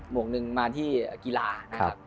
วกหนึ่งมาที่กีฬานะครับ